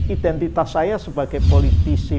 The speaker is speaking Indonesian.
identitas saya sebagai politisi